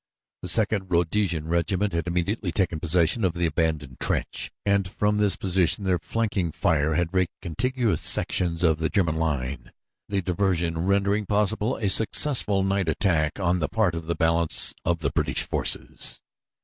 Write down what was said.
The Second Rhodesian Regiment had immediately taken possession of the abandoned trench and from this position their flanking fire had raked contiguous sections of the German line, the diversion rendering possible a successful night attack on the part of the balance of the British forces.